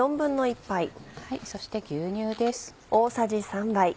そして牛乳です。